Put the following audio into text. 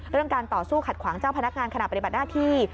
การต่อสู้ขัดขวางเจ้าพนักงานขณะปฏิบัติหน้าที่